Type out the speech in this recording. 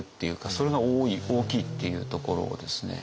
それが大きいっていうところをですね。